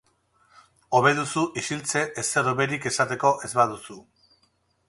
Hobe duzu isiltze ezer hoberik esateko ez baduzu.